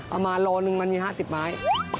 ประมาณโลหนึ่งมันมี๕๐ไม้